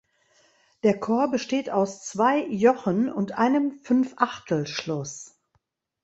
Der Chor besteht aus zwei Jochen und einem Fünfachtelschluss.